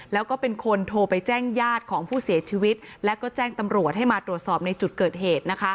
แล้วก็เป็นคนโทรไปแจ้งญาติของผู้เสียชีวิตแล้วก็แจ้งตำรวจให้มาตรวจสอบในจุดเกิดเหตุ